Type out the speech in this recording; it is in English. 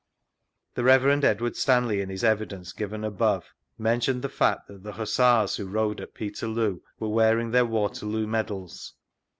The Rev. Edward Stanley, in his Evidence, given above, mentioned the fact that the Hussars who rode at Peterloo were wearing tUeir Waterioo medals.